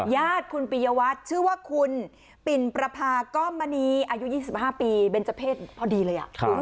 ญาติคุณปียวัตรชื่อว่าคุณปิ่นประพาก้อมมณีอายุ๒๕ปีเป็นเจ้าเพศพอดีเลย